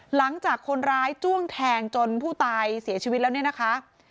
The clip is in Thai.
หลังจากคนร้ายจ้วงแทงจนผู้ตายเสียชีวิตแล้วเนี่ยนะคะ